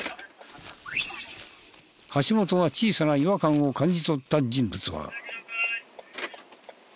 橋本が小さな違和感を感じ取った人物は。